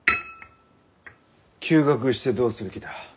休学してどうする気だ？